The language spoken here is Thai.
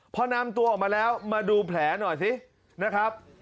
พอนำตัวออกมาแล้วมาดูแผลหน่อยสินะครับ